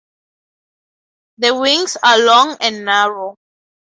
The wings are long and narrow.